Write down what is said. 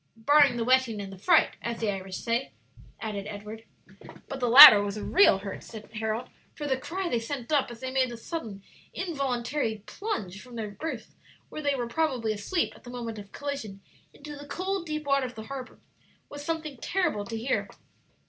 "Barring the wetting and the fright, as the Irish say," added Edward. "But the latter was a real hurt," said Harold; "for the cry they sent up as they made the sudden, involuntary plunge from their berths, where they were probably asleep at the moment of collision, into the cold, deep water of the harbor, was something terrible to hear."